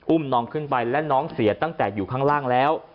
อุ้มน้องขึ้นไปและน้องเสียตั้งแต่อยู่ข้างล่างแล้ว